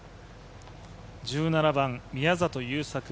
１７番、宮里優作。